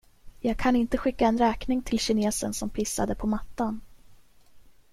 Jag kan inte skicka en räkning till kinesen som pissade på mattan.